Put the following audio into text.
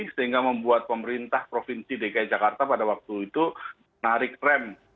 sehingga membuat pemerintah provinsi dki jakarta pada waktu itu menarik rem